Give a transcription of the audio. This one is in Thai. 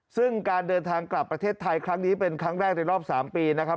ซึ่งการเดินทางกลับประเทศไทยครั้งนี้เป็นครั้งแรกในรอบ๓ปีนะครับ